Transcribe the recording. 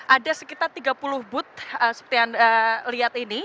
ada sekitar tiga puluh booth seperti yang anda lihat ini